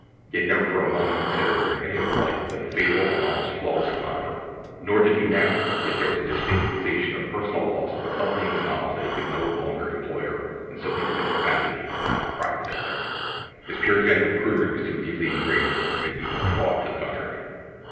He had never for a moment considered her in any other light than a faithful and almost flawless stenographer—nor did he now; yet there was a distinct sensation of personal loss accompanying the knowledge that he could now no longer employ her in so intimate a capacity as that of private secretary. His Puritanical prudery was too deeply ingrained to permit even a thought to the contrary.